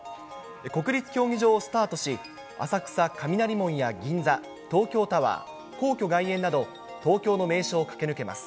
国立競技場をスタートし、浅草・雷門や銀座、東京タワー、皇居外苑など、東京の名所を駆け抜けます。